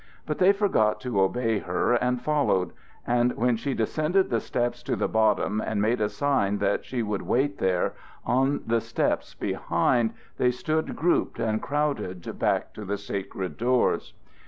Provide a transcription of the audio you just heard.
But they forgot to obey her and followed; and when she descended the steps to the bottom and made a sign that she would wait there, on the steps behind they stood grouped and crowded back to the sacred doors.